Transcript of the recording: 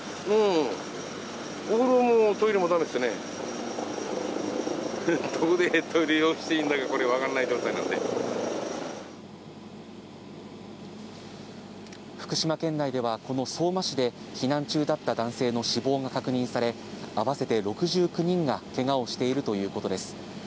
どこでトイレをしていいんだか、福島県内ではこの相馬市で、避難中だった男性の死亡が確認され、合わせて６９人がけがをしているということです。